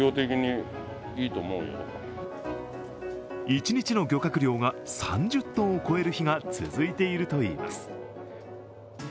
一日の漁獲量が３０ｔを超える日が続いているといいます。